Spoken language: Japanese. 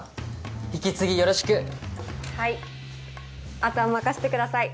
あとは任してください。